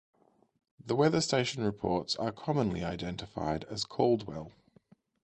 The weather station reports are commonly identified as "Caldwell".